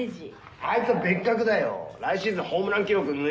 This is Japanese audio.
・あいつは別格だよ。来シーズンホームラン記録塗り替えるよ。